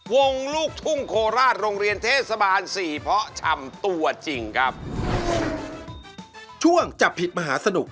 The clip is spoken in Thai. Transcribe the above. วลลูกทุ่งโคราชโรงเรียนเทศบาล